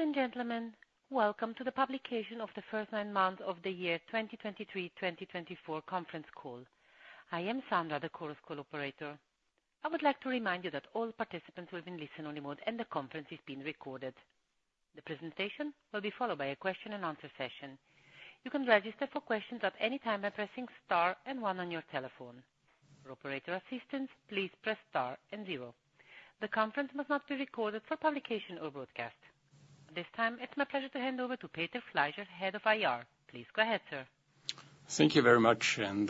Ladies and gentlemen, welcome to the publication of the first nine months of the year, 2023/2024 conference call. I am Sandra, the conference call operator. I would like to remind you that all participants will be in listen-only mode, and the conference is being recorded. The presentation will be followed by a question-and-answer session. You can register for questions at any time by pressing star and one on your telephone. For operator assistance, please press star and zero. The conference must not be recorded for publication or broadcast. At this time, it's my pleasure to hand over to Peter Fleischer, Head of IR. Please go ahead, sir. Thank you very much, and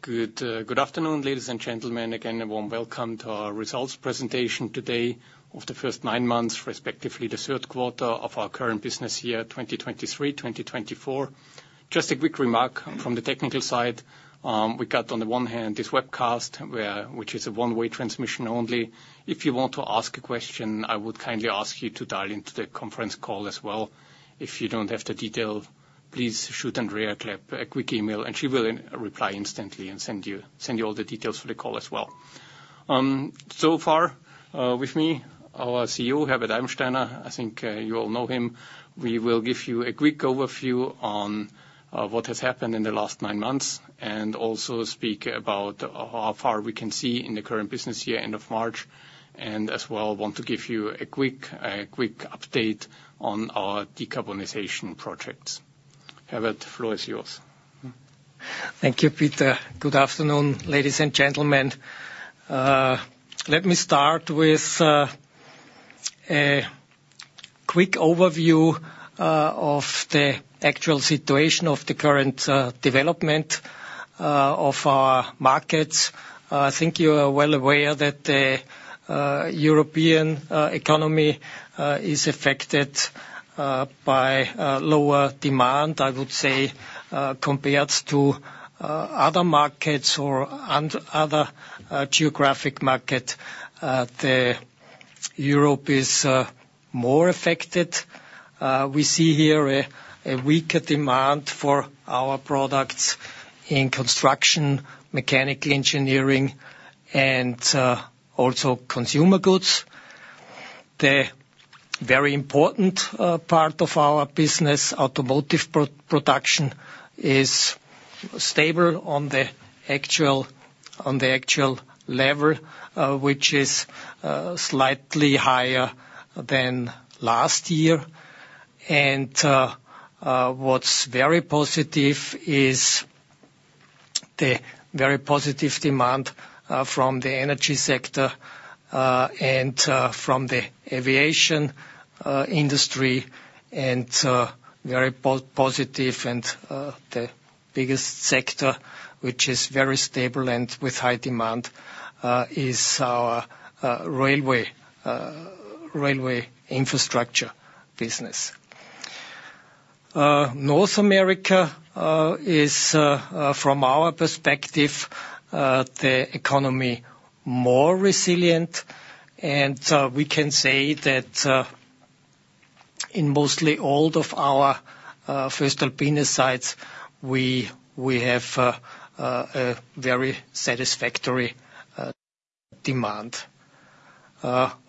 good afternoon, ladies and gentlemen. Again, a warm welcome to our results presentation today of the first nine months, respectively, the third quarter of our current business year, 2023/2024. Just a quick remark from the technical side. We got, on the one hand, this webcast, which is a one-way transmission only. If you want to ask a question, I would kindly ask you to dial into the conference call as well. If you don't have the detail, please shoot Andrea a quick email, and she will reply instantly and send you all the details for the call as well. So far, with me, our CEO, Herbert Eibensteiner. I think you all know him. We will give you a quick overview on what has happened in the last nine months, and also speak about how far we can see in the current business year, end of March. And as well, want to give you a quick update on our decarbonization projects. Herbert, the floor is yours. Thank you, Peter. Good afternoon, ladies and gentlemen. Let me start with a quick overview of the actual situation of the current development of our markets. I think you are well aware that the European economy is affected by lower demand. I would say, compared to other markets or other geographic market, Europe is more affected. We see here a weaker demand for our products in construction, mechanical engineering, and also consumer goods. The very important part of our business, automotive production, is stable on the actual level, which is slightly higher than last year. What's very positive is the very positive demand from the energy sector and from the aviation industry. And, very positive and, the biggest sector, which is very stable and with high demand, is our railway infrastructure business. North America is, from our perspective, the economy more resilient, and, we can say that, in mostly all of our voestalpine sites, we have a very satisfactory demand.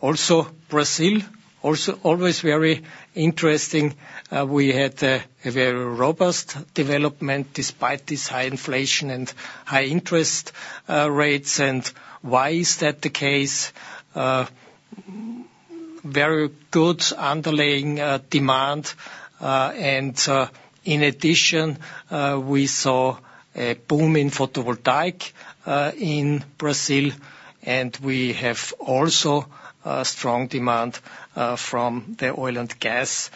Also Brazil, also always very interesting. We had a very robust development despite this high inflation and high interest rates. And why is that the case? Very good underlying demand. And, in addition, we saw a boom in photovoltaic in Brazil, and we have also a strong demand from the oil and gas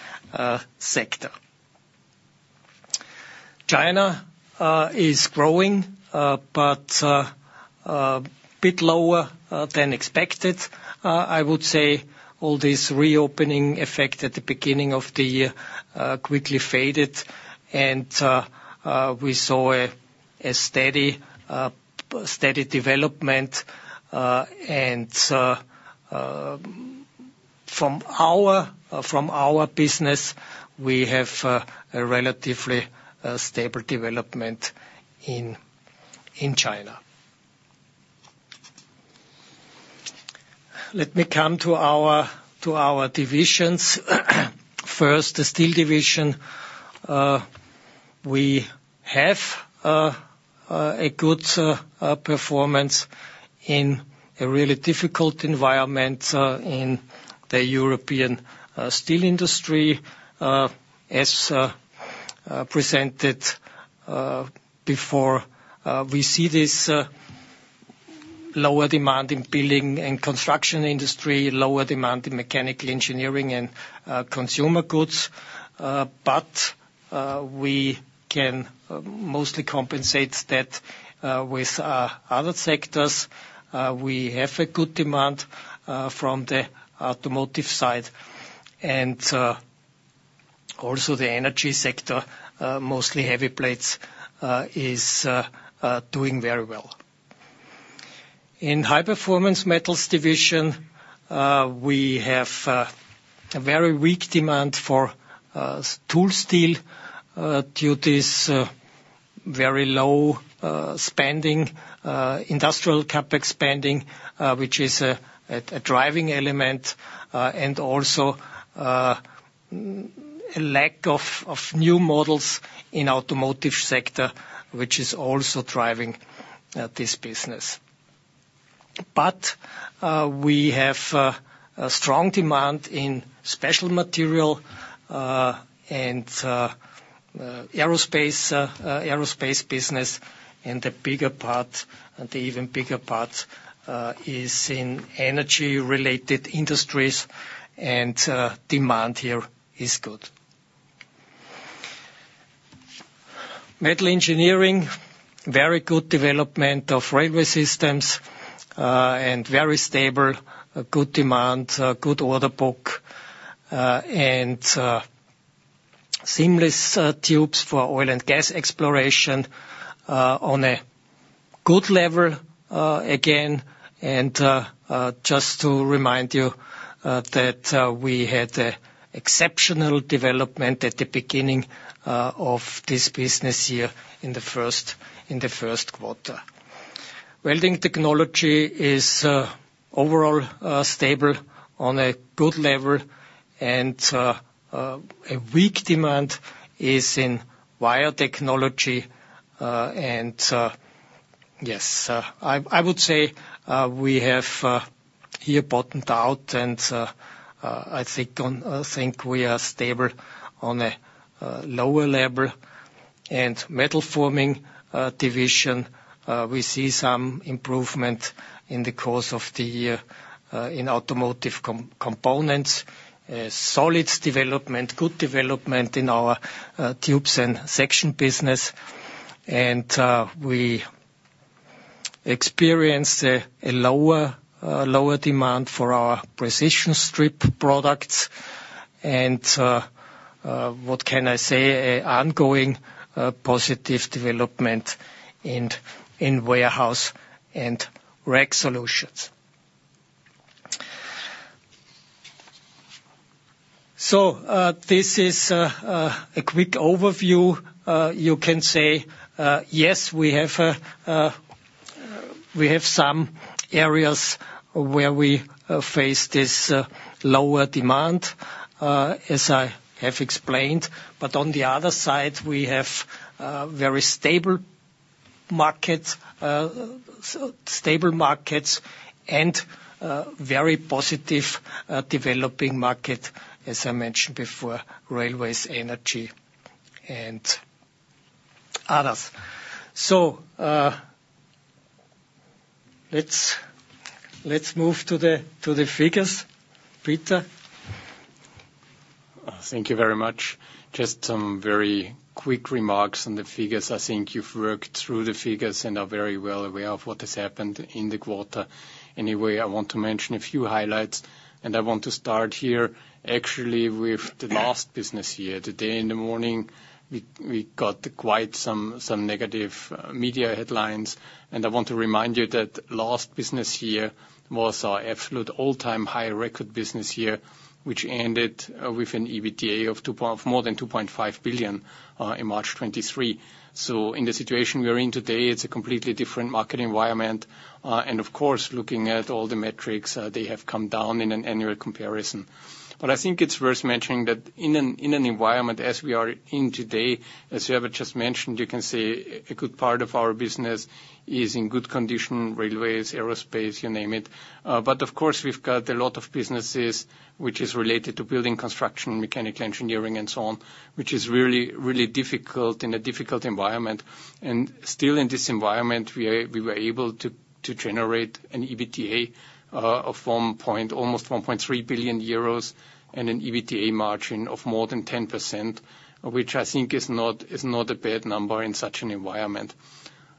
sector. China is growing, but a bit lower than expected. I would say all this reopening effect at the beginning of the year quickly faded, and we saw a steady development. From our business, we have a relatively stable development in China. Let me come to our divisions. First, the Steel Division. We have a good performance in a really difficult environment in the European steel industry. As presented before, we see this lower demand in building and construction industry, lower demand in mechanical engineering, and consumer goods. But we can mostly compensate that with other sectors. We have a good demand from the automotive side, and also the energy sector, mostly heavy plates, is doing very well. In High Performance Metals Division, we have a very weak demand for tool steel due to this very low spending, industrial CapEx spending, which is a driving element, and also a lack of new models in automotive sector, which is also driving this business. But we have a strong demand in special material and aerospace business, and the bigger part, the even bigger part, is in energy-related industries, and demand here is good. Metal Engineering, very good development of railway systems, and very stable, good demand, good order book, and, seamless tubes for oil and gas exploration, on a good level, again, and, just to remind you, that, we had a exceptional development at the beginning, of this business year in the first quarter. Welding technology is, overall, stable on a good level, and, a weak demand is in wire technology. And, yes, I would say, we have, here bottomed out, and, I think, we are stable on a, lower level. And Metal Forming Division, we see some improvement in the course of the year, in automotive components, a solid development, good development in our tubes and sections business, and we experienced a lower demand for our precision strip products. And what can I say? An ongoing positive development in warehouse and rack solutions. So this is a quick overview. You can say, yes, we have some areas where we face this lower demand, as I have explained, but on the other side, we have very stable markets, stable markets, and very positive developing market, as I mentioned before, railways, energy, and others. So let's move to the figures. Peter? Thank you very much. Just some very quick remarks on the figures. I think you've worked through the figures and are very well aware of what has happened in the quarter. Anyway, I want to mention a few highlights, and I want to start here actually with the last business year. Today in the morning, we got quite some negative media headlines, and I want to remind you that last business year was our absolute all-time high record business year, which ended with an EBITDA of more than 2.5 billion in March 2023. So in the situation we are in today, it's a completely different market environment, and of course, looking at all the metrics, they have come down in an annual comparison. But I think it's worth mentioning that in an environment as we are in today, as Herbert just mentioned, you can say a good part of our business is in good condition, railways, aerospace, you name it. But of course, we've got a lot of businesses which is related to building construction, mechanical engineering, and so on, which is really, really difficult in a difficult environment. And still in this environment, we were able to generate an EBITDA of almost 1.3 billion euros and an EBITDA margin of more than 10%, which I think is not a bad number in such an environment.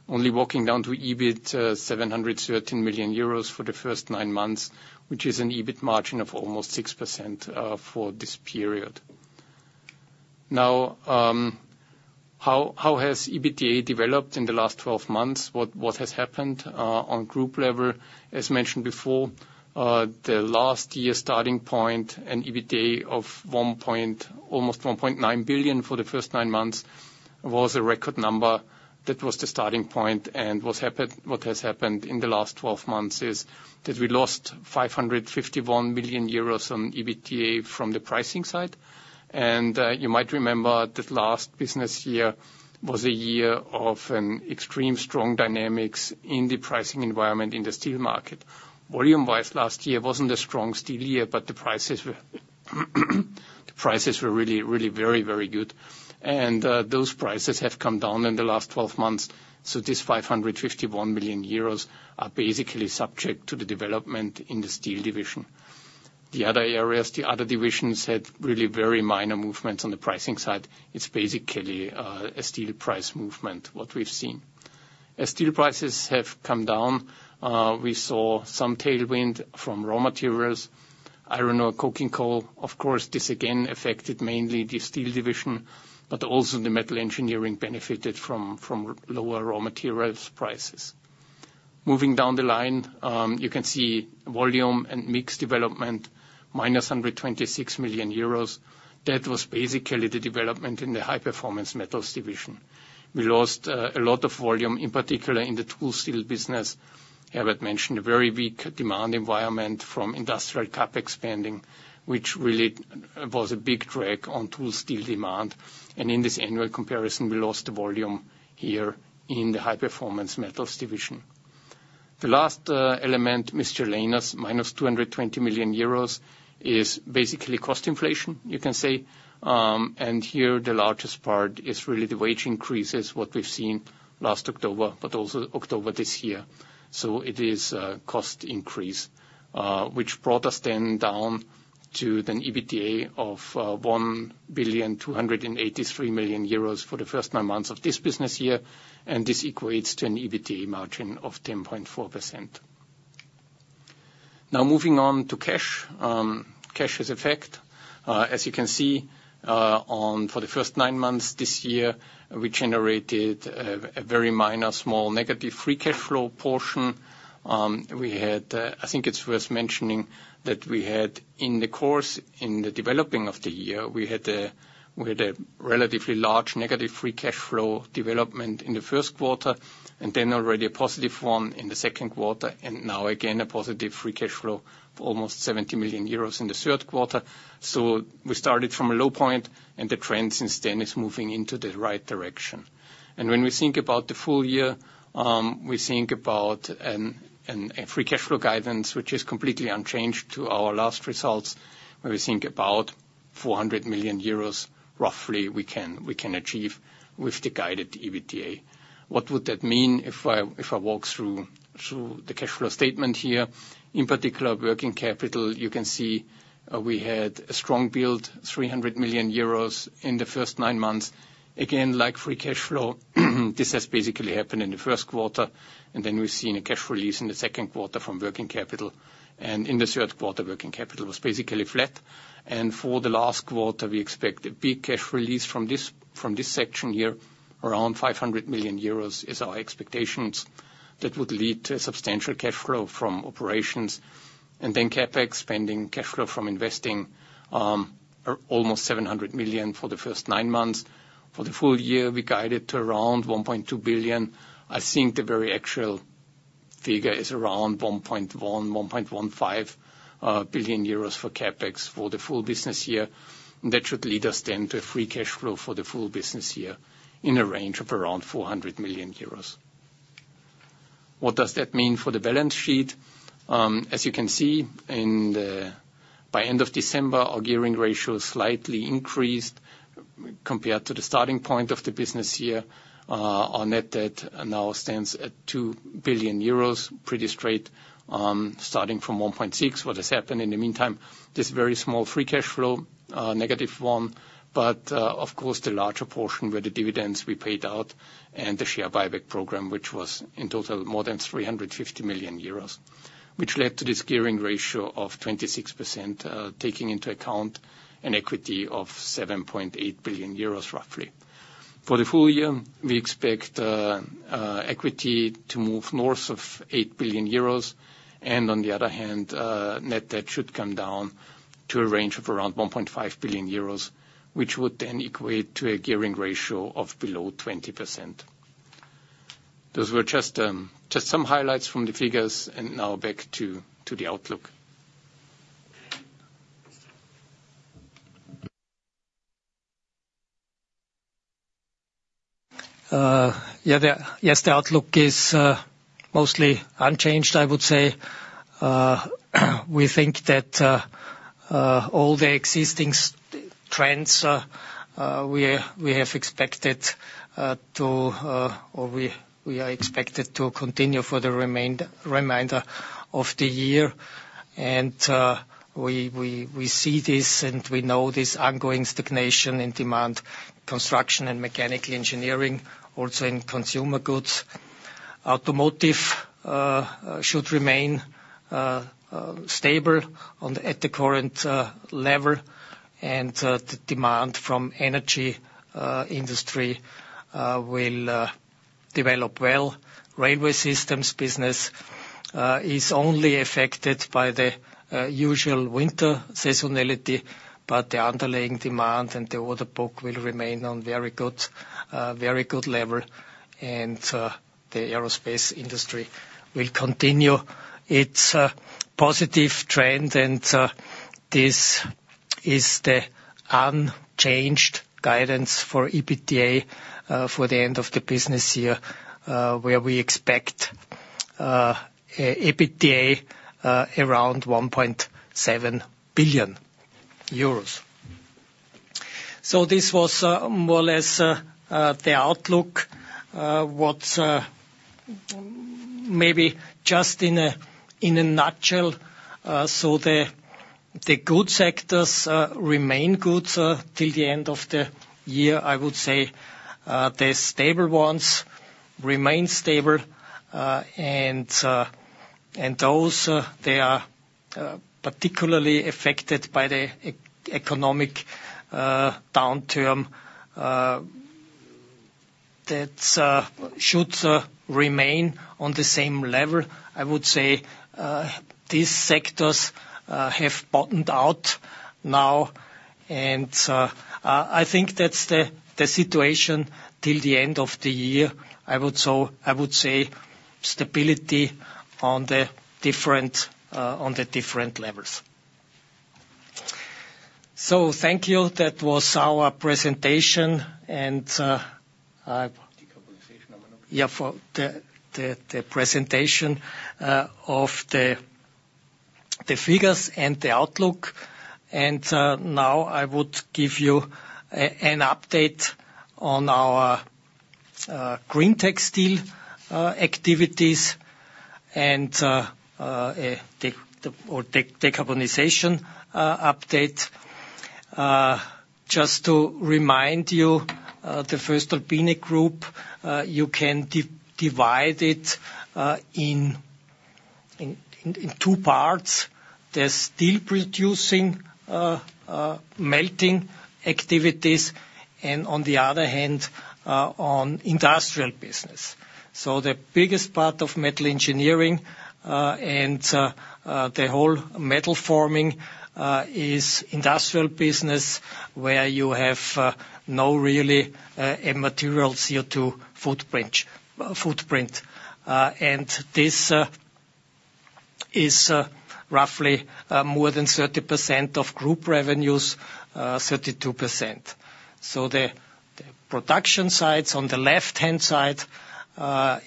Only walking down to EBIT of 713 million euros for the first nine months, which is an EBIT margin of almost 6% for this period. Now, how has EBITDA developed in the last 12 months? What has happened on group level? As mentioned before, the last year starting point, an EBITDA of almost 1.9 billion for the first 9 months, was a record number. That was the starting point, and what's happened in the last 12 months is that we lost 551 million euros on EBITDA from the pricing side. And, you might remember that last business year was a year of an extreme strong dynamics in the pricing environment in the steel market. Volume-wise, last year wasn't a strong steel year, but the prices were really, really very, very good. Those prices have come down in the last 12 months, so this 551 million euros are basically subject to the development in the Steel Division. The other areas, the other divisions, had really very minor movements on the pricing side. It's basically a steel price movement, what we've seen. As steel prices have come down, we saw some tailwind from raw materials, iron ore, coking coal. Of course, this again affected mainly the Steel Division, but also the Metal Engineering benefited from lower raw materials prices. Moving down the line, you can see volume and mix development, -126 million euros. That was basically the development in the High Performance Metals Division. We lost a lot of volume, in particular in the tool steel business. Herbert mentioned a very weak demand environment from industrial CapEx spending, which really was a big drag on tool steel demand, and in this annual comparison, we lost the volume here in the High Performance Metals Division. The last element, miscellaneous, minus 220 million euros, is basically cost inflation, you can say. And here, the largest part is really the wage increases, what we've seen last October, but also October this year. So it is cost increase, which brought us then down to an EBITDA of 1,283 million euros for the first nine months of this business year, and this equates to an EBITDA margin of 10.4%. Now, moving on to cash. Cash's effect, as you can see, for the first nine months this year, we generated a very minor, small, negative free cash flow portion. We had, I think it's worth mentioning, that we had in the course, in the developing of the year, we had a relatively large negative free cash flow development in the first quarter, and then already a positive one in the second quarter, and now again, a positive free cash flow of almost 70 million euros in the third quarter. So we started from a low point, and the trend since then is moving into the right direction. And when we think about the full year, we think about a free cash flow guidance, which is completely unchanged to our last results, where we think about 400 million euros, roughly, we can achieve with the guided EBITDA. What would that mean if I walk through the cash flow statement here? In particular, working capital, you can see, we had a strong build, 300 million euros in the first nine months. Again, like free cash flow, this has basically happened in the first quarter, and then we've seen a cash release in the second quarter from working capital, and in the third quarter, working capital was basically flat. And for the last quarter, we expect a big cash release from this section here, around 500 million euros is our expectations. That would lead to a substantial cash flow from operations. And then CapEx spending, cash flow from investing, are almost 700 million for the first nine months. For the full year, we guided to around 1.2 billion. I think the very actual figure is around 1.1-1.15 billion euros for CapEx for the full business year. And that should lead us then to a free cash flow for the full business year in a range of around 400 million euros. What does that mean for the balance sheet? As you can see, By end of December, our gearing ratio slightly increased compared to the starting point of the business year. Our net debt now stands at 2 billion euros, pretty straight, starting from 1.6 billion. What has happened in the meantime, this very small free cash flow, negative 1 million, but, of course, the larger portion were the dividends we paid out and the share buyback program, which was in total more than 350 million euros, which led to this gearing ratio of 26%, taking into account an equity of 7.8 billion euros, roughly. For the full year, we expect equity to move north of 8 billion euros, and on the other hand, net debt should come down to a range of around 1.5 billion euros, which would then equate to a gearing ratio of below 20%. Those were just some highlights from the figures, and now back to the outlook. Yeah, the outlook is mostly unchanged, I would say. We think that all the existing trends we have expected to or we are expected to continue for the remainder of the year. We see this, and we know this ongoing stagnation in demand, construction and mechanical engineering, also in consumer goods. Automotive should remain stable at the current level, and the demand from energy industry will develop well. Railway systems business is only affected by the usual winter seasonality, but the underlying demand and the order book will remain on very good level. The aerospace industry will continue its positive trend, and this is the unchanged guidance for EBITDA for the end of the business year, where we expect EBITDA around 1.7 billion euros. So this was more or less the outlook. Maybe just in a nutshell, so the good sectors remain good till the end of the year. I would say the stable ones remain stable, and those they are particularly affected by the economic downturn that should remain on the same level. I would say these sectors have bottomed out now, and I think that's the situation till the end of the year. I would say stability on the different, on the different levels. So thank you. That was our presentation, and, I- Decarbonization, I don't know. Yeah, for the presentation of the figures and the outlook. And now I would give you an update on our greentec steel activities, and a decarbonization update. Just to remind you, the voestalpine Group you can divide it in two parts. There's steel producing melting activities, and on the other hand, the industrial business. So the biggest part of Metal Engineering and the whole Metal Forming is industrial business, where you have no really end material CO2 footprint. And this is roughly more than 30% of Group revenues, 32%. So the production sites on the left-hand side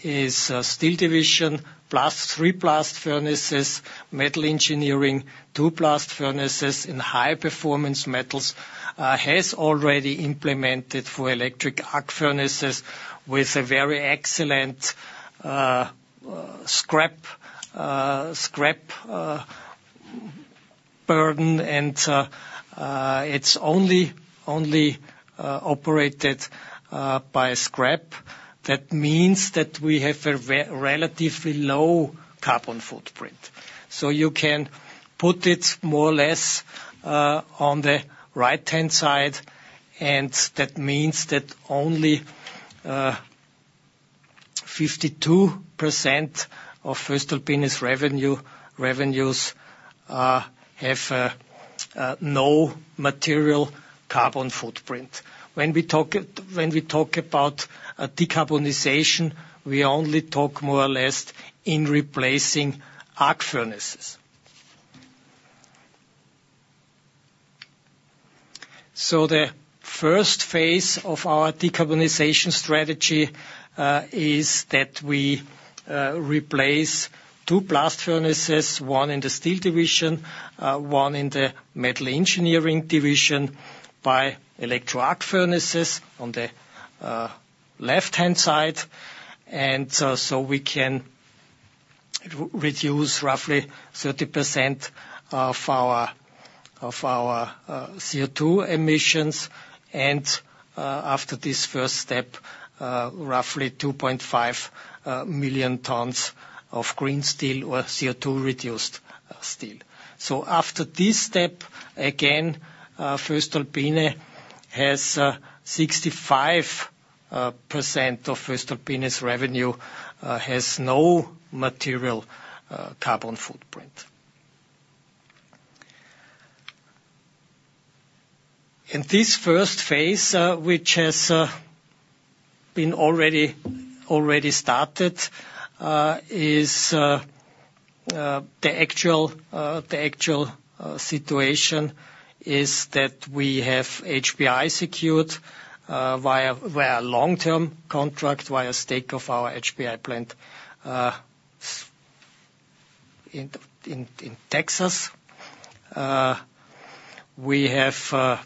is Steel Division, plus three blast furnaces, Metal Engineering, two blast furnaces in High Performance Metals, has already implemented four electric arc furnaces with a very excellent scrap burden, and it's only operated by scrap. That means that we have a relatively low carbon footprint. So you can put it more or less on the right-hand side, and that means that only 52% of voestalpine's revenues have no material carbon footprint. When we talk about decarbonization, we only talk more or less in replacing arc furnaces. So the first phase of our decarbonization strategy is that we replace two blast furnaces, one in the Steel Division, one in the Metal Engineering Division, by electric arc furnaces on the left-hand side. And so we can reduce roughly 30% of our CO2 emissions, and after this first step, roughly 2.5 million tons of green steel or CO2-reduced steel. So after this step, again, voestalpine has 65% of voestalpine's revenue has no material carbon footprint. In this first phase, which has been already started, is the actual situation, is that we have HBI secured via a long-term contract via stake of our HBI plant in Texas. We have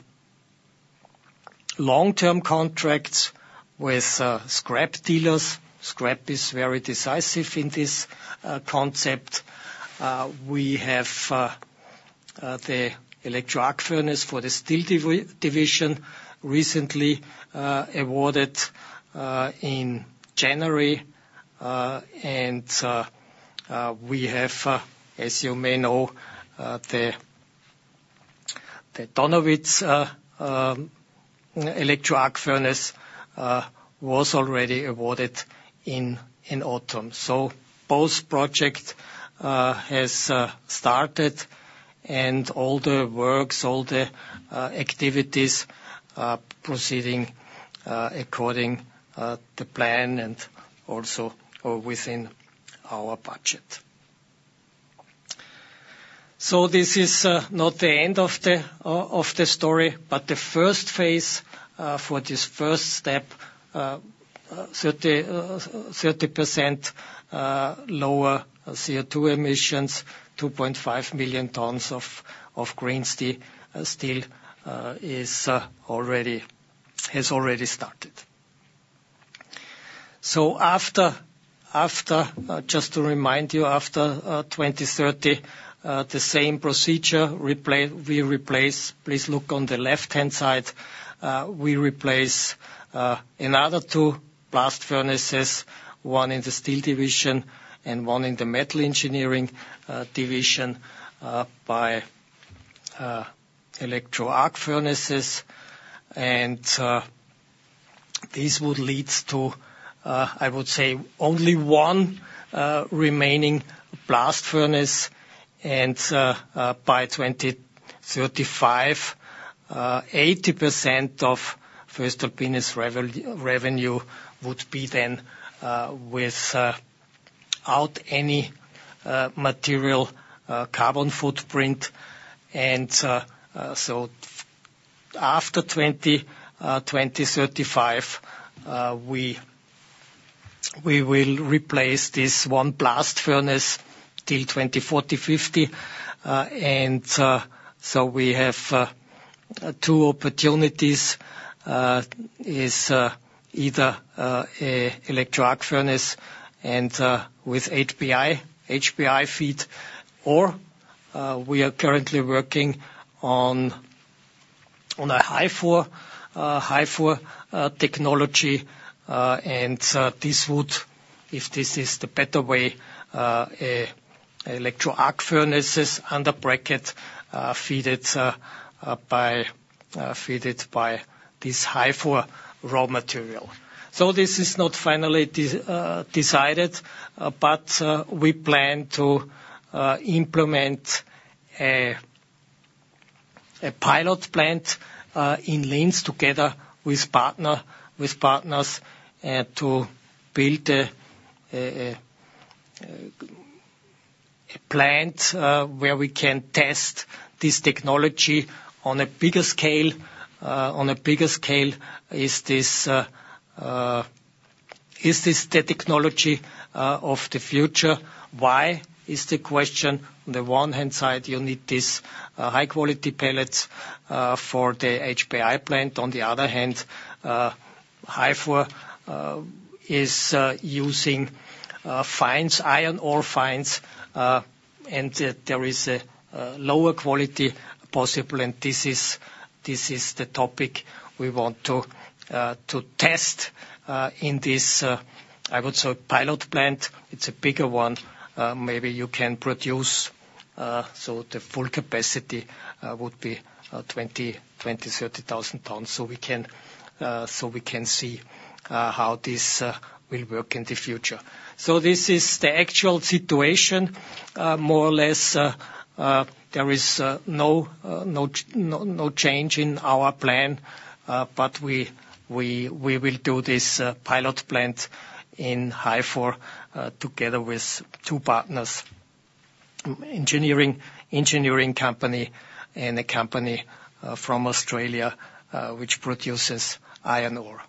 long-term contracts with scrap dealers. Scrap is very decisive in this concept. We have the electric arc furnace for the Steel Division, recently awarded in January. And we have, as you may know, the Donawitz electric arc furnace was already awarded in autumn. So both projects have started, and all the works, all the activities proceeding according to the plan and also are within our budget. So this is not the end of the story, but the first phase for this first step, 30% lower CO2 emissions, 2.5 million tons of green steel has already started. So after just to remind you, after 2030, the same procedure we replace. Please look on the left-hand side. We replace another two blast furnaces, one in the Steel Division and one in the Metal Engineering Division by electric arc furnaces, and this would lead to, I would say, only one remaining blast furnace, and by 2035, 80% of voestalpine's revenue would be then without any material carbon footprint. And so after 2035, we will replace this one blast furnace till 2040-2050. And so we have two opportunities, is either a electric arc furnace and with HBI feed, or we are currently working on on a HYFOR technology. This would, if this is the better way, electric arc furnaces fed by this HYFOR raw material. So this is not finally decided, but we plan to implement a plant in Linz, together with partners, to build a plant where we can test this technology on a bigger scale. On a bigger scale, is this the technology of the future? Why, is the question. On the one hand side, you need this high-quality pellets for the HBI plant. On the other hand, HYFOR is using fines, iron ore fines, and there is a lower quality possible, and this is the topic we want to test in this, I would say, pilot plant. It's a bigger one. Maybe you can produce, so the full capacity would be 20,000-30,000 tons. So we can see how this will work in the future. So this is the actual situation, more or less. There is no change in our plan, but we will do this pilot plant in HYFOR together with two partners, engineering company and a company from Australia which produces iron ore.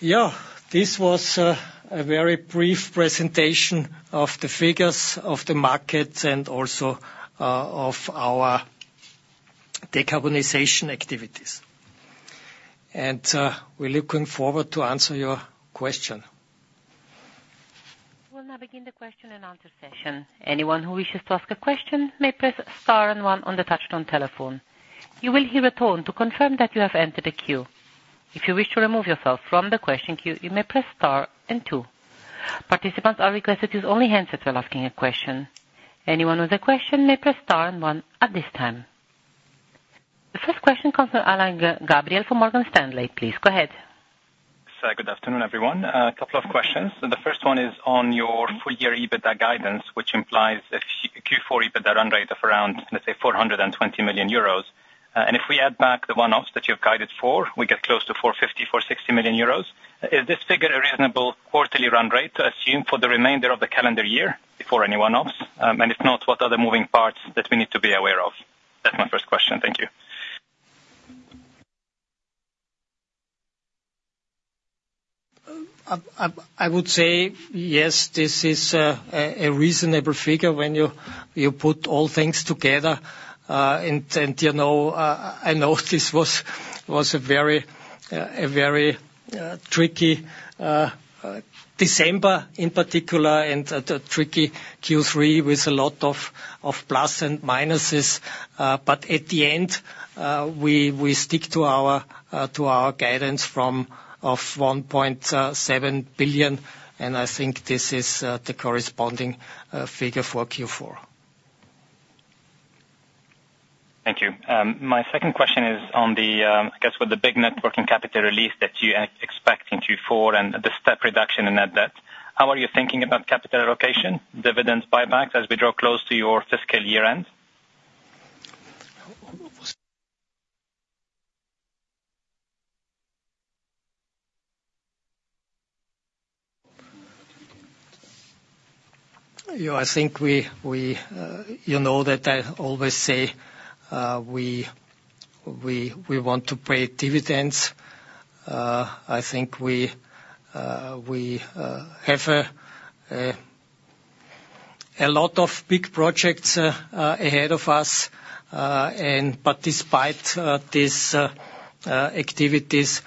Yeah, this was a very brief presentation of the figures of the market and also of our decarbonization activities. We're looking forward to answer your question. We'll now begin the question and answer session. Anyone who wishes to ask a question may press star and one on the touchtone telephone. You will hear a tone to confirm that you have entered the queue. If you wish to remove yourself from the question queue, you may press star and two. Participants are requested to use only handsets when asking a question. Anyone with a question may press star and one at this time. The first question comes from Alain Gabriel from Morgan Stanley. Please, go ahead. Good afternoon, everyone. A couple of questions. The first one is on your full-year EBITDA guidance, which implies a Q4 EBITDA run rate of around, let's say, 420 million euros. And if we add back the one-offs that you have guided for, we get close to 450-460 million euros. Is this figure a reasonable quarterly run rate to assume for the remainder of the calendar year before any one-offs? And if not, what are the moving parts that we need to be aware of? That's my first question. Thank you. I would say yes, this is a reasonable figure when you put all things together. And you know, I know this was a very tricky December in particular, and a tricky Q3 with a lot of plus and minuses. But at the end, we stick to our guidance of 1.7 billion, and I think this is the corresponding figure for Q4. Thank you. My second question is on the, I guess, with the big net working capital release that you expect in Q4 and the step reduction in net debt, how are you thinking about capital allocation, dividends, buybacks, as we draw close to your fiscal year-end? You know, I think we, you know that I always say, we want to pay dividends. I think we have a lot of big projects ahead of us. But despite these activities,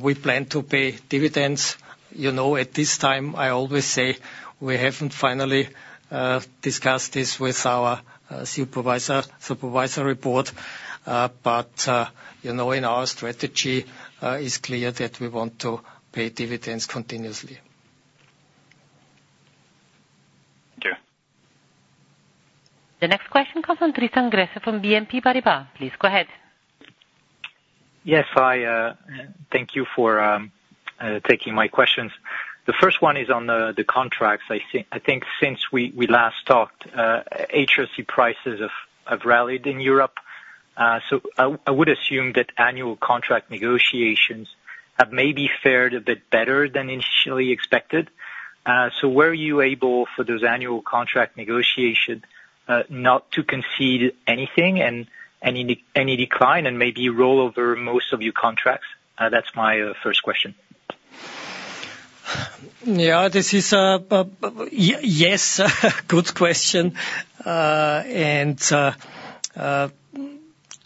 we plan to pay dividends. You know, at this time, I always say we haven't finally discussed this with our Supervisory Board approval. But you know, in our strategy, it's clear that we want to pay dividends continuously.... Thank you. The next question comes from Tristan Gresser from BNP Paribas. Please go ahead. Yes, hi, thank you for taking my questions. The first one is on the contracts. I think since we last talked, HRC prices have rallied in Europe. So I would assume that annual contract negotiations have maybe fared a bit better than initially expected. So were you able, for those annual contract negotiation, not to concede anything and any decline and maybe roll over most of your contracts? That's my first question. Yeah, this is yes, good question. And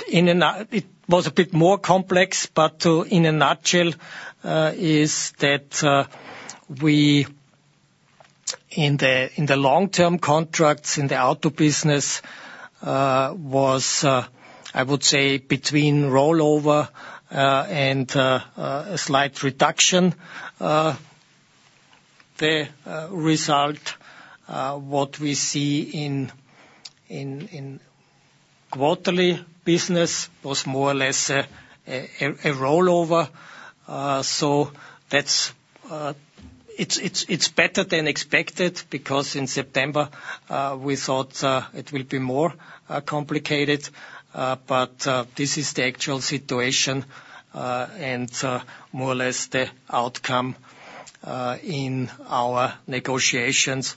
it was a bit more complex, but in a nutshell is that we in the long-term contracts in the auto business was I would say between rollover and a slight reduction. The result what we see in quarterly business was more or less a rollover. So that's it's better than expected, because in September we thought it will be more complicated. But this is the actual situation and more or less the outcome in our negotiations.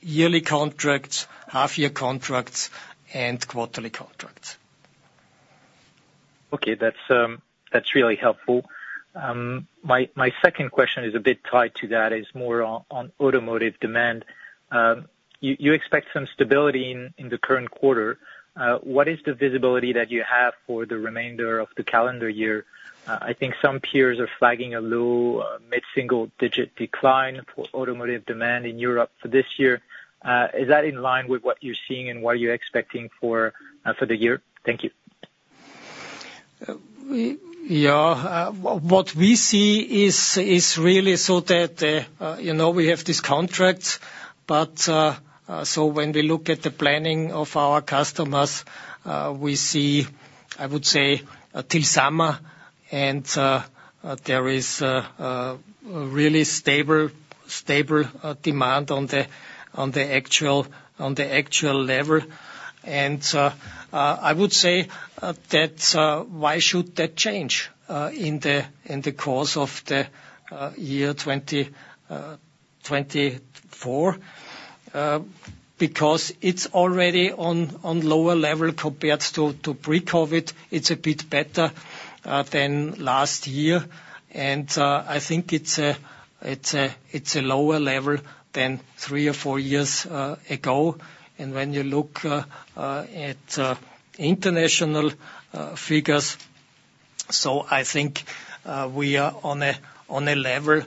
Yearly contracts, half-year contracts and quarterly contracts. Okay, that's really helpful. My second question is a bit tied to that, is more on automotive demand. You expect some stability in the current quarter. What is the visibility that you have for the remainder of the calendar year? I think some peers are flagging a low, mid-single digit decline for automotive demand in Europe for this year. Is that in line with what you're seeing and what you're expecting for the year? Thank you. What we see is really so that, you know, we have these contracts, but so when we look at the planning of our customers, we see, I would say, till summer, and there is a really stable demand on the actual level. And I would say that why should that change in the course of the year 2024? Because it's already on lower level compared to pre-COVID. It's a bit better than last year, and I think it's a lower level than three or four years ago. When you look at international figures, so I think we are on a level,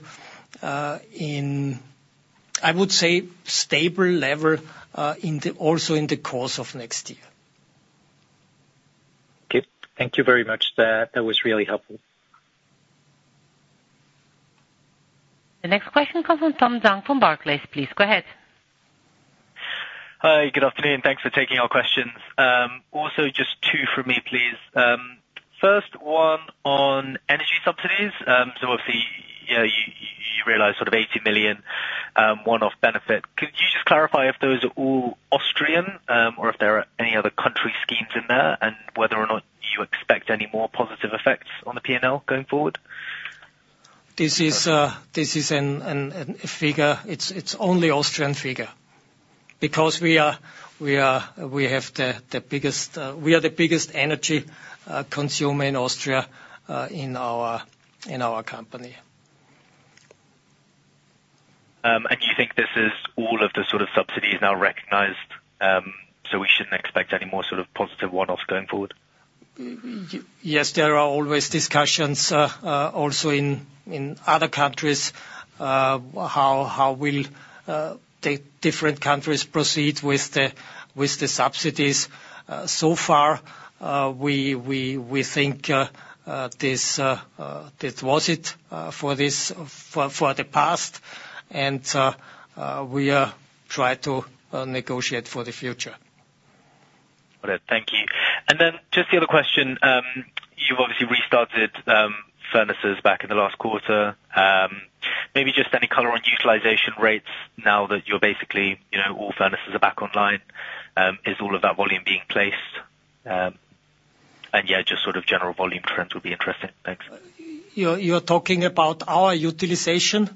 I would say, stable level, also in the course of next year. Okay. Thank you very much. That, that was really helpful. The next question comes from Tom Zhang from Barclays. Please go ahead. Hi, good afternoon, thanks for taking our questions. Also just two from me, please. First one on energy subsidies. So obviously, you know, you realized sort of 80 million one-off benefit. Could you just clarify if those are all Austrian, or if there are any other country schemes in there, and whether or not you expect any more positive effects on the PNL going forward? This is a figure. It's only Austrian figure, because we are the biggest energy consumer in Austria in our company. You think this is all of the sort of subsidies now recognized, so we shouldn't expect any more sort of positive one-offs going forward? Yes, there are always discussions, also in other countries, how the different countries will proceed with the subsidies. So far, we think this that was it for this, for the past, and we try to negotiate for the future. Got it. Thank you. And then just the other question, you've obviously restarted furnaces back in the last quarter. Maybe just any color on utilization rates now that you're basically, you know, all furnaces are back online, is all of that volume being placed? And yeah, just sort of general volume trends would be interesting. Thanks. You're talking about our utilization?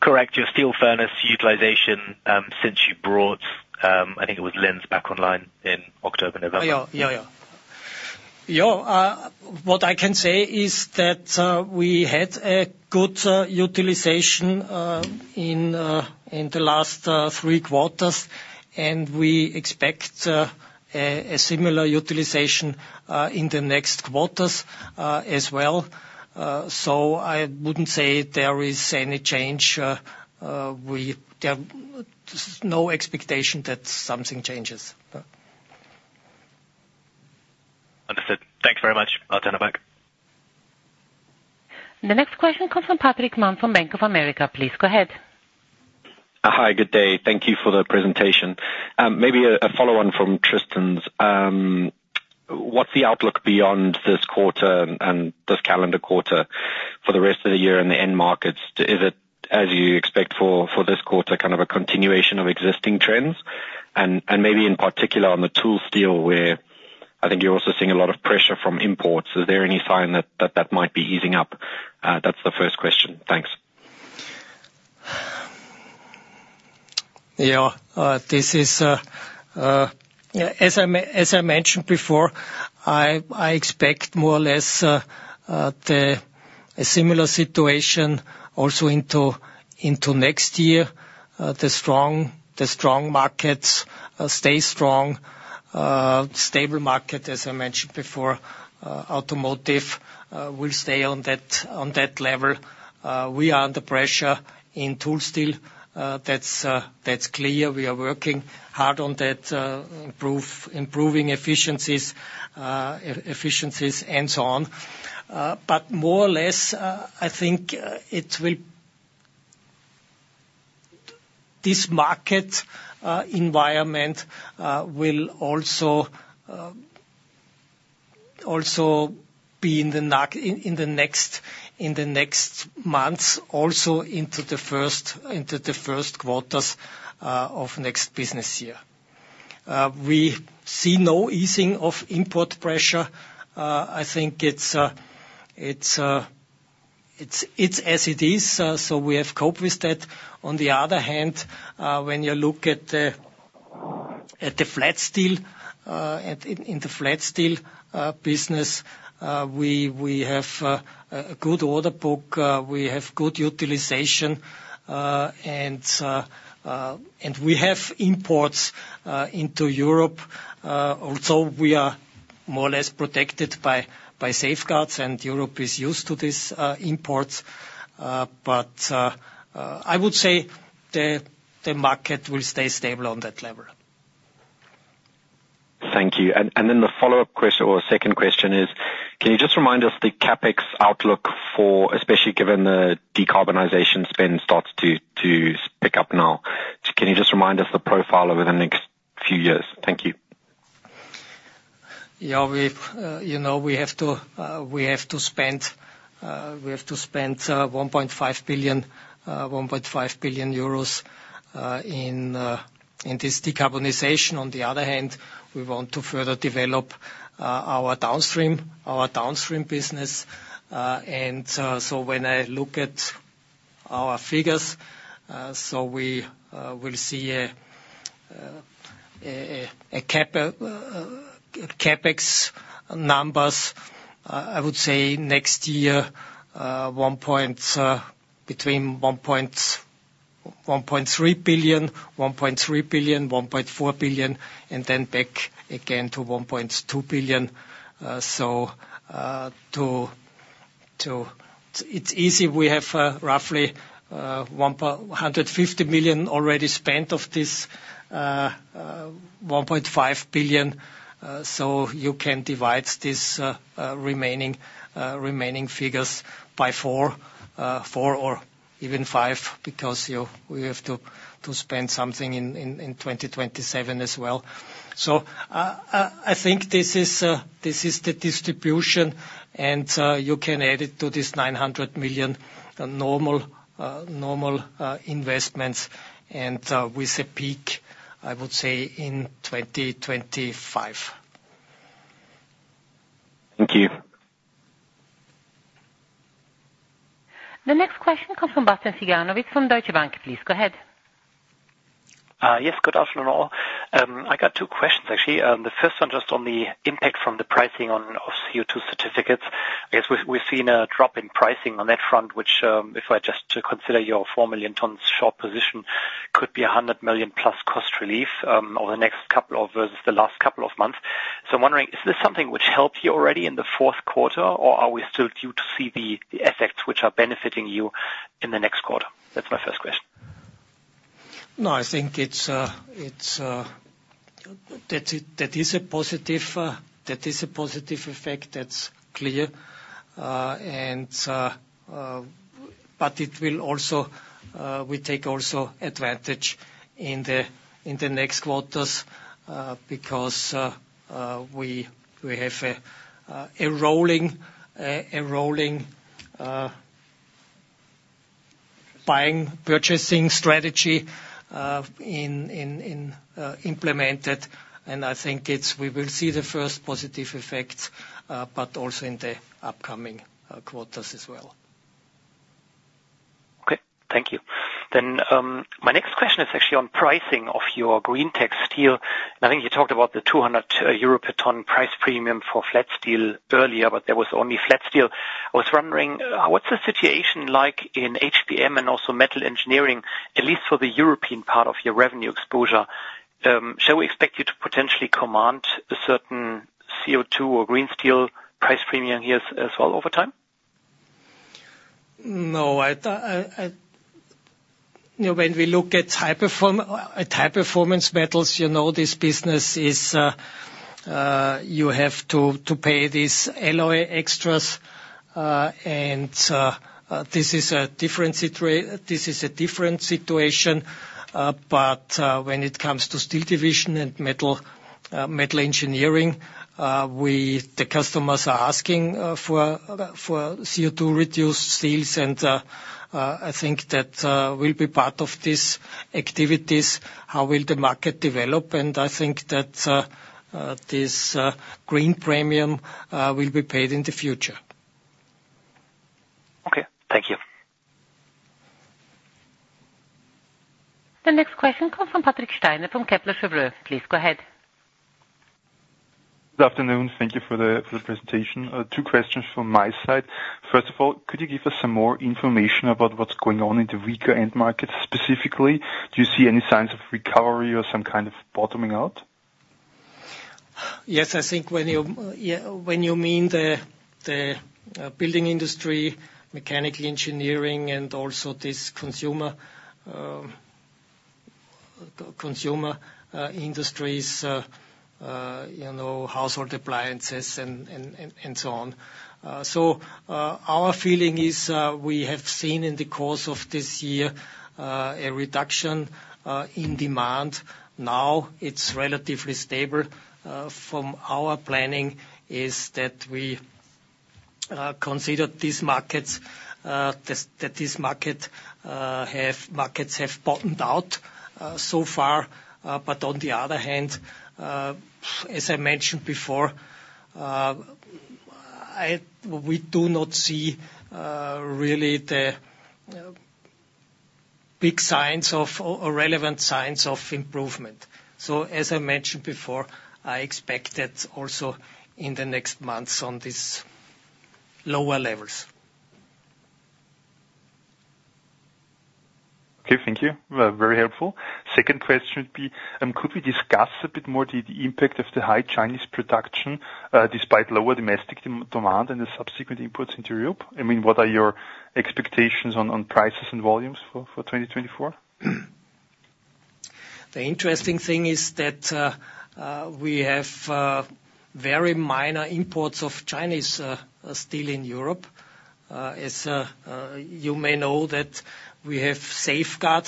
Correct. Your steel furnace utilization, since you brought, I think it was Linz back online in October, November. Oh, yeah. Yeah, yeah. Yeah, what I can say is that we had a good utilization in the last three quarters, and we expect a similar utilization in the next quarters as well. So I wouldn't say there is any change. There are no expectation that something changes.... Understood. Thanks very much. I'll turn it back. The next question comes from Patrick Mann from Bank of America. Please go ahead. Hi, good day. Thank you for the presentation. Maybe a follow on from Tristan's, what's the outlook beyond this quarter and this calendar quarter for the rest of the year in the end markets? Is it, as you expect for this quarter, kind of a continuation of existing trends? And maybe in particular, on the tool steel, where I think you're also seeing a lot of pressure from imports, is there any sign that might be easing up? That's the first question. Thanks. Yeah, as I mentioned before, I expect more or less a similar situation also into next year. The strong markets stay strong. Stable market, as I mentioned before, automotive will stay on that level. We are under pressure in tool steel. That's clear. We are working hard on that, improving efficiencies, and so on. But more or less, I think, it will... This market environment will also be in the next months, also into the first quarters of next business year. We see no easing of import pressure. I think it's as it is, so we have coped with that. On the other hand, when you look at the flat steel, in the flat steel business, we have a good order book, we have good utilization, and we have imports into Europe. Also, we are more or less protected by safeguards, and Europe is used to these imports. But I would say the market will stay stable on that level. Thank you. And then the follow-up question or second question is, can you just remind us the CapEx outlook, especially given the decarbonization spend starts to pick up now. So can you just remind us the profile over the next few years? Thank you. Yeah, we've, you know, we have to, we have to spend, we have to spend, 1.5 billion, 1.5 billion euros, in, in this decarbonization. On the other hand, we want to further develop, our downstream, our downstream business. And, so when I look at our figures, so we, will see a, a, a, CapEx numbers, I would say next year, one point, between 1.3 billion, 1.3 billion, 1.4 billion, and then back again to 1.2 billion. So, to, to... It's easy, we have roughly 150 million already spent of this 1.5 billion, so you can divide these remaining figures by 4 or even 5, because we have to spend something in 2027 as well. So, I think this is the distribution, and you can add it to this 900 million, the normal investments, and with a peak, I would say, in 2025. Thank you. The next question comes from Bastian Synagowitz, from Deutsche Bank. Please, go ahead. Yes, good afternoon, all. I got two questions, actually. The first one, just on the impact from the pricing on, of CO2 certificates. I guess we've seen a drop in pricing on that front, which, if I just to consider your 4 million tons short position, could be a 100 million-plus cost relief, over the next couple of versus the last couple of months. So I'm wondering, is this something which helped you already in the fourth quarter, or are we still due to see the effects which are benefiting you in the next quarter? That's my first question. No, I think that is a positive effect, that's clear. But it will also, we take also advantage in the next quarters, because we have a rolling buying purchasing strategy implemented, and I think we will see the first positive effects, but also in the upcoming quarters as well. Okay, thank you. Then, my next question is actually on pricing of your greentec steel. I think you talked about the 200 euro per ton price premium for flat steel earlier, but there was only flat steel. I was wondering, what's the situation like in HBM and also Metal Engineering, at least for the European part of your revenue exposure? Shall we expect you to potentially command a certain CO2 or green steel price premium here as well over time?... No, you know, when we look at High Performance Metals, you know, this business is, you have to pay these alloy extras, and this is a different situation. But when it comes to Steel Division and Metal Engineering, the customers are asking for CO₂ reduced steels, and I think that will be part of these activities, how will the market develop? And I think that this green premium will be paid in the future. Okay, thank you. The next question comes from Patrick Steiner, from Kepler Cheuvreux. Please go ahead. Good afternoon. Thank you for the presentation. Two questions from my side. First of all, could you give us some more information about what's going on in the weaker end markets? Specifically, do you see any signs of recovery or some kind of bottoming out? Yes, I think when you, yeah, when you mean the building industry, mechanical engineering, and also this consumer industries, you know, household appliances and so on. So, our feeling is, we have seen in the course of this year, a reduction in demand. Now it's relatively stable. From our planning is that we consider these markets, that this market, markets have bottomed out, so far. But on the other hand, as I mentioned before, we do not see really the big signs of, or relevant signs of improvement. So, as I mentioned before, I expect that also in the next months on these lower levels. Okay, thank you. Very helpful. Second question would be, could we discuss a bit more the impact of the high Chinese production despite lower domestic demand and the subsequent imports into Europe? I mean, what are your expectations on prices and volumes for 2024? The interesting thing is that we have very minor imports of Chinese steel in Europe. As you may know, we have safeguard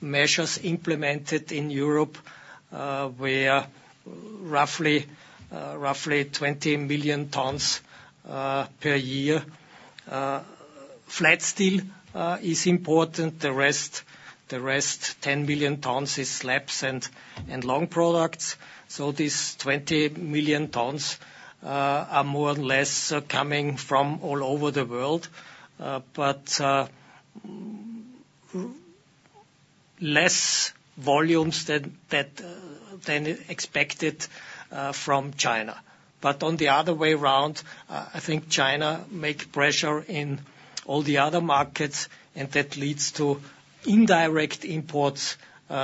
measures implemented in Europe, where roughly 20 million tons per year flat steel is imported. The rest, 10 billion tons is slabs and long products. So these 20 million tons are more or less coming from all over the world, but less volumes than that than expected from China. But on the other way around, I think China make pressure in all the other markets, and that leads to indirect imports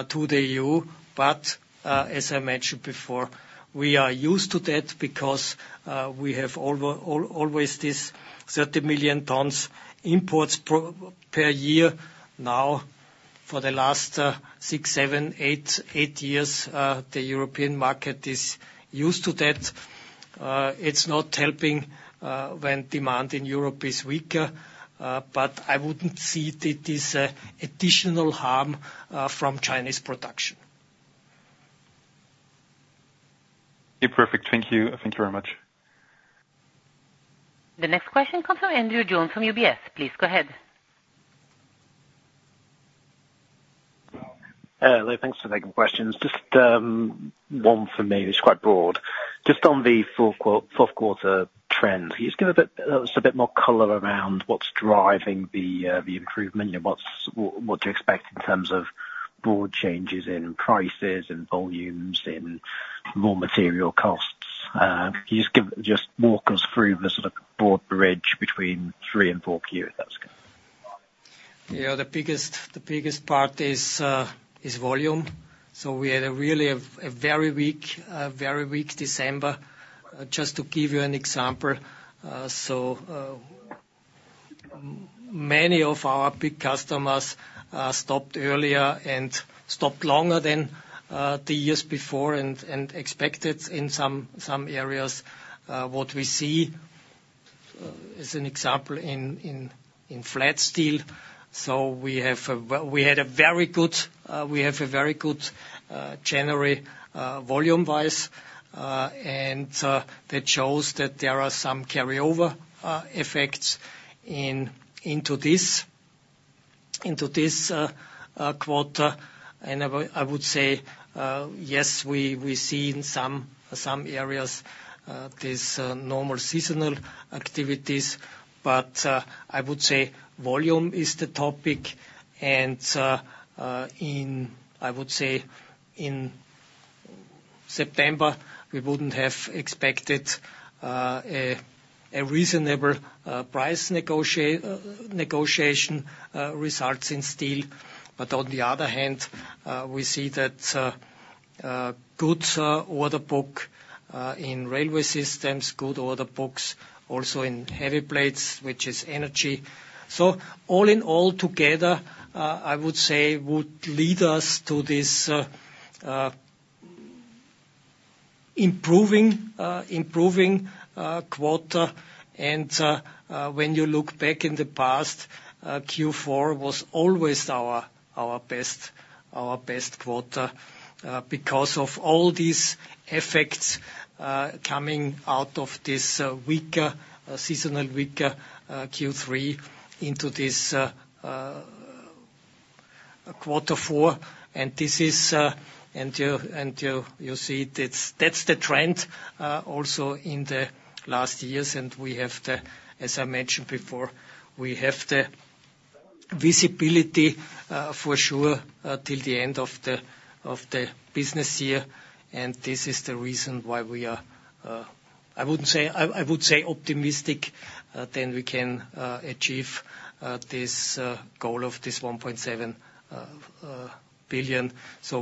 to the EU. But as I mentioned before, we are used to that because we have always this 30 million tons imports per year. Now, for the last 6, 7, 8, 8 years, the European market is used to that. It's not helping when demand in Europe is weaker, but I wouldn't see it as additional harm from Chinese production. Okay, perfect. Thank you. Thank you very much. The next question comes from Andrew Jones from UBS. Please go ahead. Thanks for taking questions. Just one for me, it's quite broad. Just on the fourth quarter trend, can you just give us a bit more color around what's driving the improvement and what to expect in terms of broad changes in prices and volumes, in raw material costs? Can you just walk us through the sort of broad bridge between Q3 and Q4, if that's good. Yeah, the biggest part is volume. So we had a really very weak December. Just to give you an example, many of our big customers stopped earlier and stopped longer than the years before, and expected in some areas. What we see, as an example, in flat steel. So we have a very good January, volume-wise. And that shows that there are some carryover effects into this quarter. And I would say, yes, we see in some areas this normal seasonal activities. But I would say volume is the topic, and in... I would say, in September, we wouldn't have expected a reasonable price negotiation results in steel. But on the other hand, we see that good order book in railway systems, good order books also in heavy plates, which is energy. So all in all together, I would say would lead us to this improving quarter. And when you look back in the past, Q4 was always our best quarter because of all these effects coming out of this weaker seasonal weaker Q3 into this quarter four. And you see that's the trend also in the last years, and we have, as I mentioned before, we have the visibility for sure till the end of the business year. And this is the reason why we are, I wouldn't say... I would say optimistic, then we can achieve this goal of 1.7 billion. So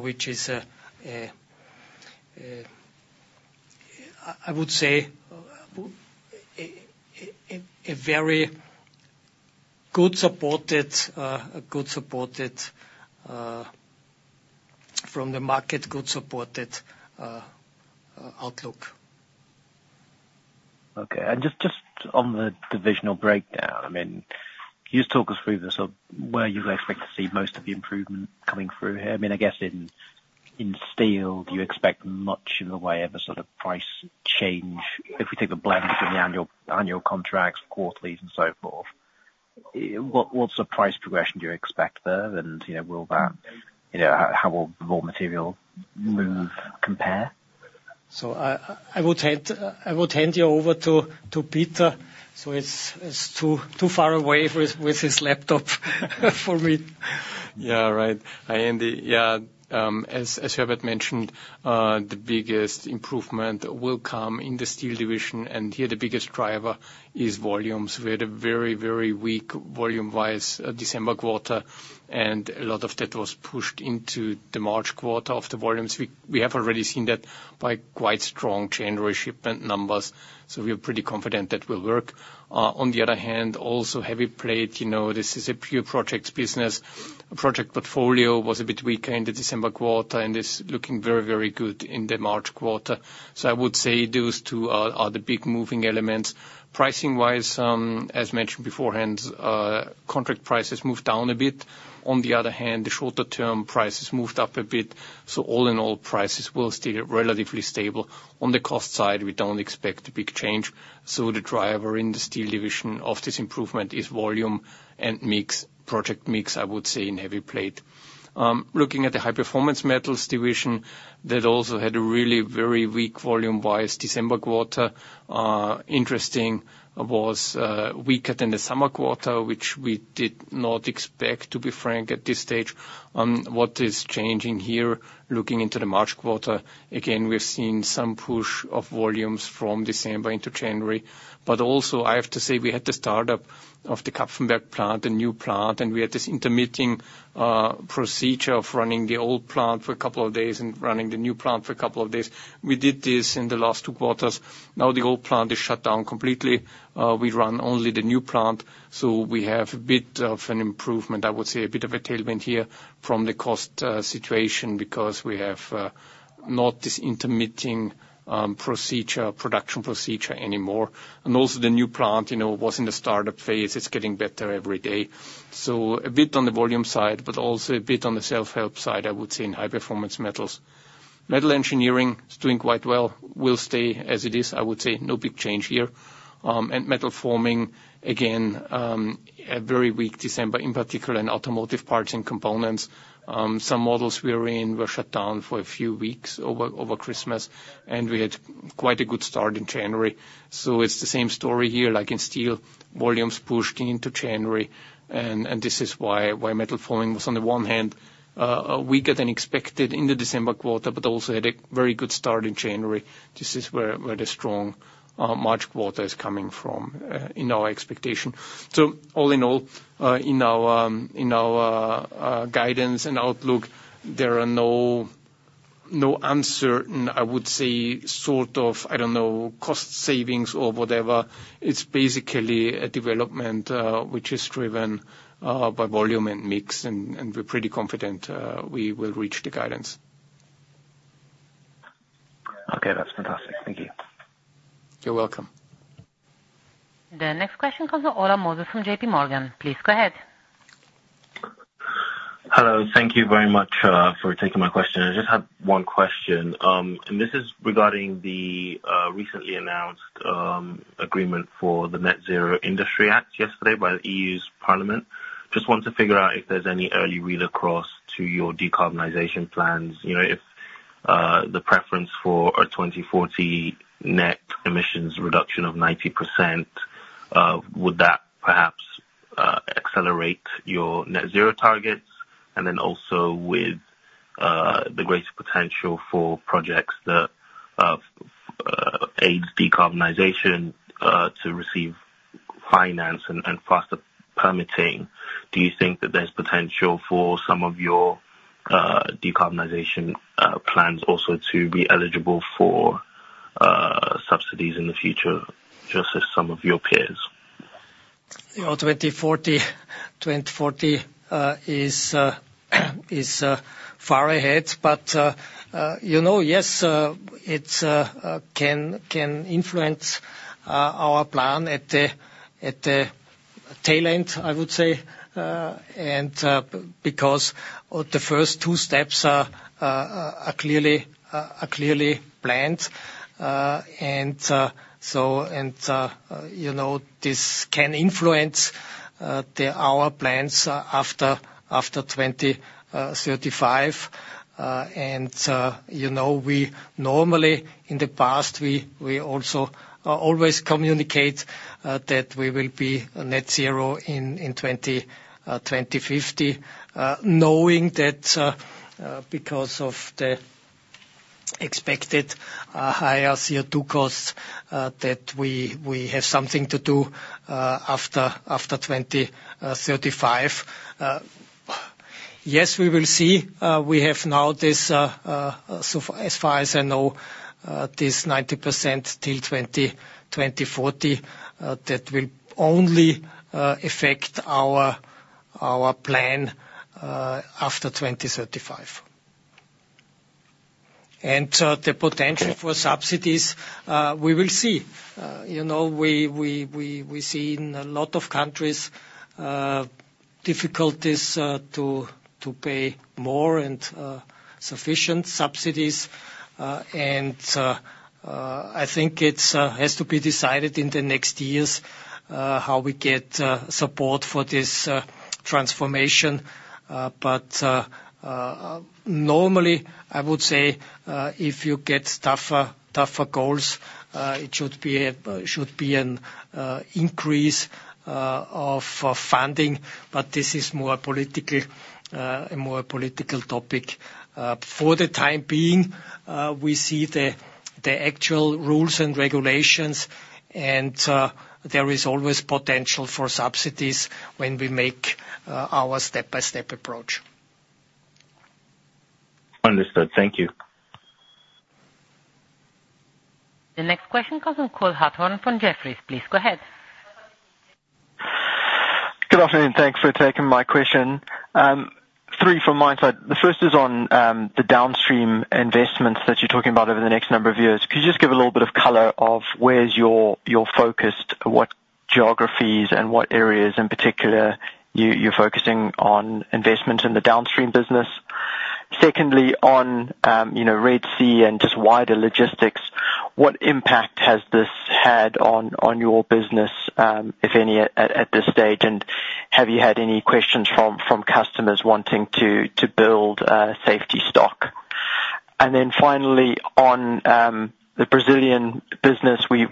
which is, I would say, a very good supported good supported from the market, good supported outlook. Okay. And just on the divisional breakdown, I mean, can you just talk us through this? So where do you expect to see most of the improvement coming through here? I mean, I guess in steel, do you expect much in the way of a sort of price change? If we take a blend from the annual contracts, quarterlies, and so forth, what's the price progression do you expect there? And, you know, will that, you know, how will raw material move, compare? So I would hand you over to Peter, so he's too far away with his laptop for me. Yeah, right. Hi, Andy. Yeah, as Herbert mentioned, the biggest improvement will come in the Steel Division, and here, the biggest driver is volumes. We had a very, very weak volume-wise December quarter, and a lot of that was pushed into the March quarter of the volumes. We have already seen that by quite strong January shipment numbers, so we are pretty confident that will work. On the other hand, also, heavy plate, you know, this is a pure project business. Project portfolio was a bit weaker in the December quarter and is looking very, very good in the March quarter. So I would say those two are the big moving elements. Pricing-wise, as mentioned beforehand, contract prices moved down a bit. On the other hand, the shorter-term prices moved up a bit. So all in all, prices will stay relatively stable. On the cost side, we don't expect a big change, so the driver in the Steel Division of this improvement is volume and mix, project mix, I would say, in heavy plate. Looking at the High-Performance Metals Division, that also had a really very weak volume-wise December quarter, weaker than the summer quarter, which we did not expect, to be frank, at this stage. On what is changing here, looking into the March quarter, again, we're seeing some push of volumes from December into January. But also, I have to say, we had the start-up of the Kapfenberg plant, the new plant, and we had this intermittent procedure of running the old plant for a couple of days and running the new plant for a couple of days. We did this in the last two quarters. Now, the old plant is shut down completely. We run only the new plant, so we have a bit of an improvement, I would say a bit of a tailwind here from the cost situation, because we have not this intermittent production procedure anymore. And also the new plant, you know, was in the start-up phase. It's getting better every day. So a bit on the volume side, but also a bit on the self-help side, I would say, in High-Performance Metals. Metal Engineering is doing quite well, will stay as it is. I would say no big change here. And Metal Forming, again, a very weak December, in particular in automotive parts and components. Some models we are in were shut down for a few weeks over Christmas, and we had quite a good start in January. So it's the same story here, like in steel, volumes pushed into January, and this is why Metal Forming was, on the one hand, weaker than expected in the December quarter, but also had a very good start in January. This is where the strong March quarter is coming from, in our expectation. So all in all, in our guidance and outlook, there are no uncertain, I would say, sort of, I don't know, cost savings or whatever. It's basically a development which is driven by volume and mix, and we're pretty confident we will reach the guidance. Okay. That's fantastic. Thank you. You're welcome. The next question comes from Moses Ola from JP Morgan. Please go ahead. Hello. Thank you very much for taking my question. I just have one question. And this is regarding the recently announced agreement for the Net-Zero Industry Act yesterday by the EU's Parliament. Just want to figure out if there's any early read-across to your decarbonization plans. You know, if the preference for a 2040 net emissions reduction of 90%, would that perhaps accelerate your net zero targets? And then also with the greater potential for projects that aids decarbonization to receive finance and faster permitting. Do you think that there's potential for some of your decarbonization plans also to be eligible for subsidies in the future, just as some of your peers? Well, 2040 is far ahead, but, you know, yes, it can influence our plan at the tail end, I would say. And because the first two steps are clearly planned. And so, and you know, this can influence our plans after 2035. And you know, we normally in the past we also always communicate that we will be net zero in 2050. Knowing that because of the expected higher CO2 costs that we have something to do after 2035. Yes, we will see. We have now this, so far, as far as I know, this 90% till 2040, that will only affect our plan after 2035. And, the potential for subsidies, we will see. You know, we see in a lot of countries, difficulties to pay more and sufficient subsidies. And, I think it has to be decided in the next years, how we get support for this transformation. But, normally, I would say, if you get tougher goals, it should be an increase of funding, but this is more politically, a more political topic. For the time being, we see the actual rules and regulations, and there is always potential for subsidies when we make our step-by-step approach. Understood. Thank you. The next question comes from Cole Hathorn from Jefferies. Please go ahead. Good afternoon, thanks for taking my question. Three from my side. The first is on the downstream investments that you're talking about over the next number of years. Could you just give a little bit of color on where's your focus? What geographies and what areas in particular you're focusing on investments in the downstream business? Secondly, on you know, Red Sea and just wider logistics, what impact has this had on your business, if any, at this stage, and have you had any questions from customers wanting to build safety stock? And then finally, on the Brazilian business, we've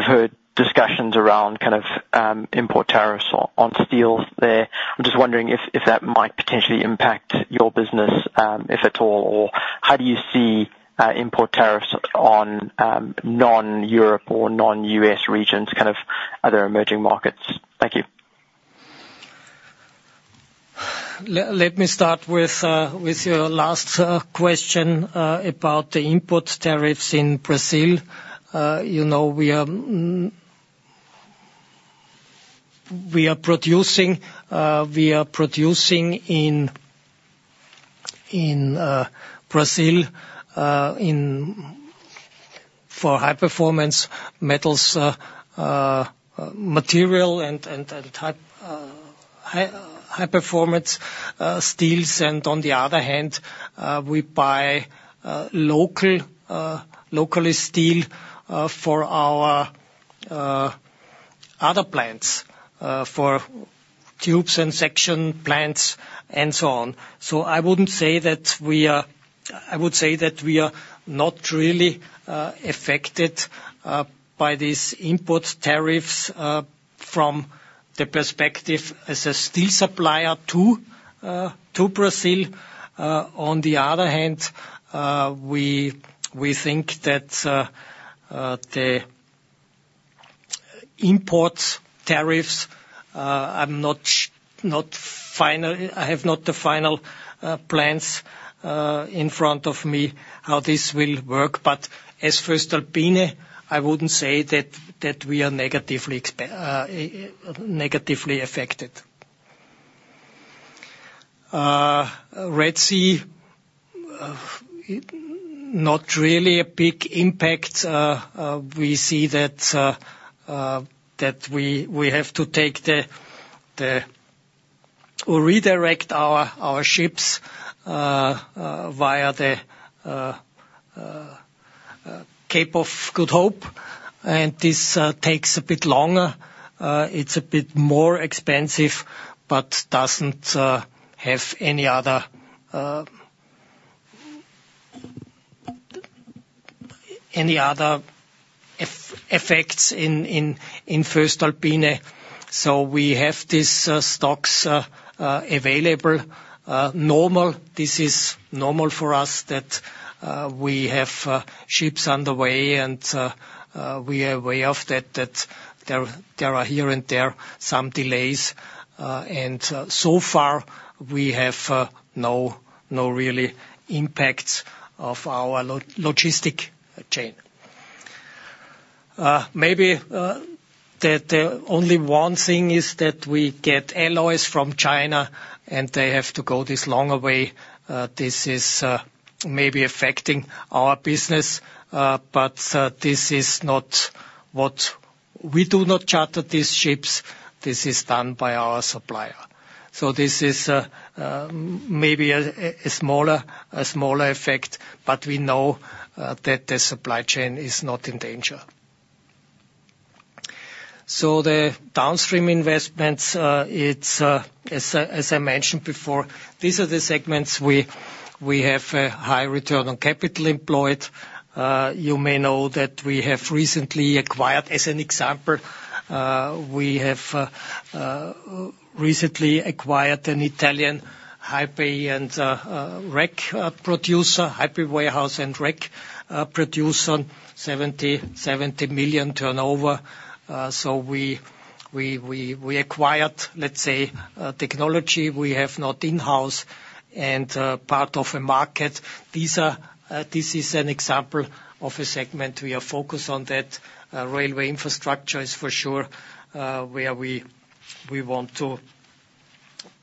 heard discussions around kind of import tariffs on steel there. I'm just wondering if that might potentially impact your business, if at all, or how do you see import tariffs on non-Europe or non-US regions, kind of other emerging markets? Thank you. Let me start with your last question about the import tariffs in Brazil. You know, we are producing in Brazil for High Performance Metals material and high performance steels. And on the other hand, we buy local locally steel for our other plants for tubes and sections plants and so on. So I wouldn't say that we are. I would say that we are not really affected by these import tariffs from the perspective as a steel supplier to Brazil. On the other hand, we think that the import tariffs are not final. I have not the final plans in front of me, how this will work, but as voestalpine, I wouldn't say that we are negatively affected. Red Sea, not really a big impact. We see that we have to redirect our ships via the Cape of Good Hope, and this takes a bit longer. It's a bit more expensive, but doesn't have any other effects in voestalpine. So we have these stocks available, normal. This is normal for us, that we have ships underway, and we are aware of that, that there are here and there some delays. So far, we have no really impacts of our logistic chain. Maybe the only one thing is that we get alloys from China, and they have to go this longer way. This is maybe affecting our business, but this is not what-- We do not charter these ships, this is done by our supplier. So this is maybe a smaller effect, but we know that the supply chain is not in danger. So the downstream investments, it's as I mentioned before, these are the segments we have a high return on capital employed. You may know that we have recently acquired, as an example, an Italian high-bay warehouse and rack producer, 70 million turnover. So we acquired, let's say, technology we have not in-house and part of a market. This is an example of a segment we are focused on. Railway infrastructure is for sure where we want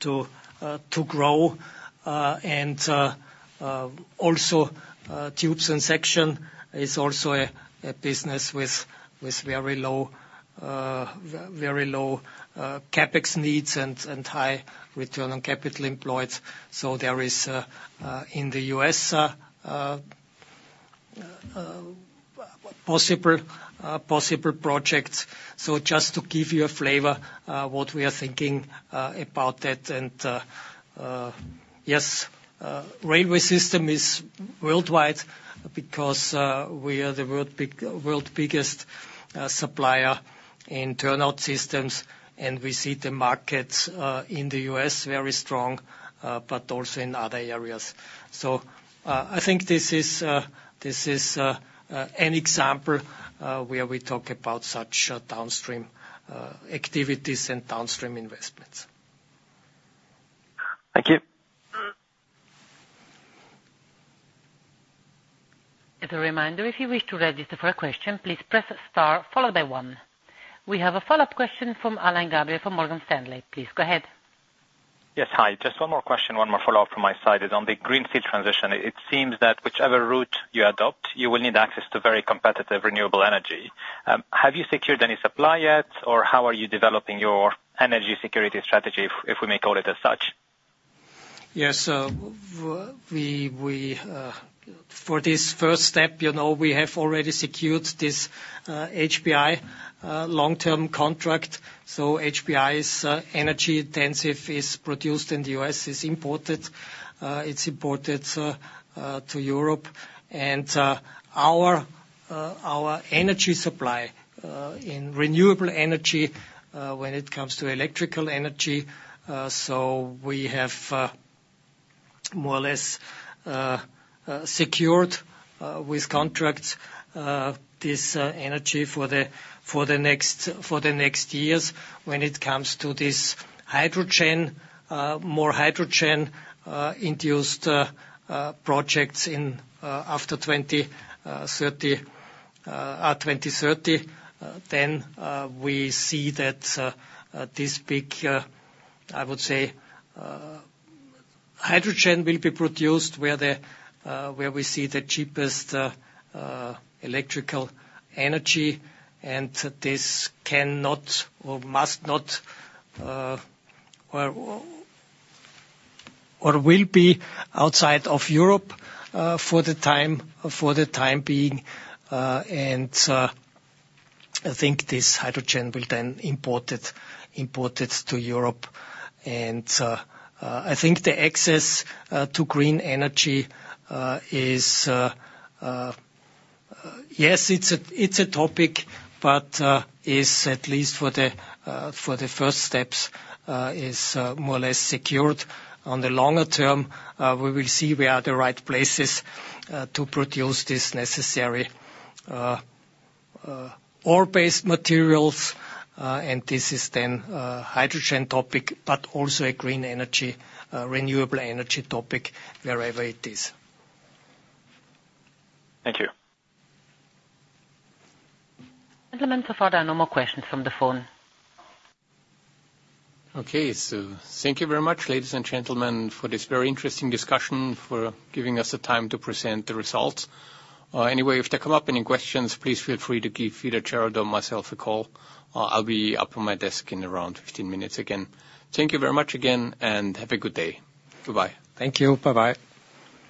to grow. And also, tubes and sections is also a business with very low CapEx needs and high return on capital employed. So there is in the US possible projects. So just to give you a flavor what we are thinking about that. Yes, the railway system is worldwide because we are the world's biggest supplier in turnout systems, and we see the markets in the U.S. very strong, but also in other areas. I think this is an example where we talk about such downstream activities and downstream investments. Thank you. As a reminder, if you wish to register for a question, please press star followed by one. We have a follow-up question from Alain Gabriel, from Morgan Stanley. Please go ahead. Yes. Hi, just one more question, one more follow-up from my side is on the greenfield transition. It seems that whichever route you adopt, you will need access to very competitive, renewable energy. Have you secured any supply yet? Or how are you developing your energy security strategy, if we may call it as such? Yes. So we, for this first step, you know, we have already secured this HBI long-term contract. So HBI's energy intensive is produced in the U.S., it's imported, it's imported to Europe. And our energy supply in renewable energy, when it comes to electrical energy, so we have more or less secured with contracts this energy for the next years. When it comes to this hydrogen, more hydrogen induced projects in after 2030, then we see that this big, I would say... hydrogen will be produced where we see the cheapest electrical energy. This cannot or must not, or will be outside of Europe, for the time being. And I think this hydrogen will then be imported to Europe. And I think the access to green energy is, yes, it's a topic, but is at least for the first steps, more or less secured. On the longer term, we will see where are the right places to produce this necessary ore-based materials, and this is then hydrogen topic, but also a green energy renewable energy topic, wherever it is. Thank you. Gentlemen, so far, there are no more questions from the phone. Okay, so thank you very much, ladies and gentlemen, for this very interesting discussion, for giving us the time to present the results. Anyway, if there come up any questions, please feel free to give either Gerald or myself a call. I'll be up on my desk in around 15 minutes again. Thank you very much again, and have a good day. Goodbye. Thank you. Bye-bye.